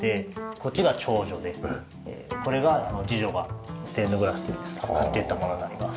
こっちが長女でこれが次女がステンドグラスというんですか貼っていったものになります。